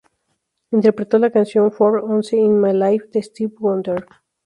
Interpretó la canción "For once in my life" de Stevie Wonder.